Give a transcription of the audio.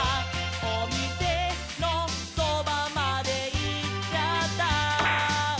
「おみせのそばまでいっちゃった」